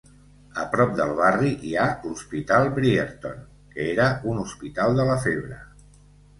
A prop del barri hi ha l'Hospital Brierton, que era un hospital de la febre.